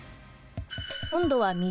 今度は水。